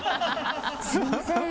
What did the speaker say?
すいません。